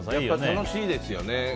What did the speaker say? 楽しいですよね。